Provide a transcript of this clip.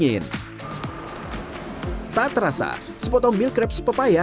masukkan kembali milk crepes dan pastry cream